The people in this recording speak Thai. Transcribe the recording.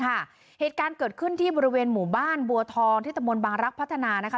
เหตุการณ์เกิดขึ้นที่บริเวณหมู่บ้านบัวทองที่ตะมนต์บางรักพัฒนานะคะ